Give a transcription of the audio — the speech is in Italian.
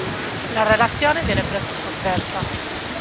La relazione viene presto scoperta.